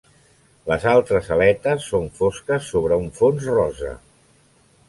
Les altres aletes són fosques sobre un fons rosa.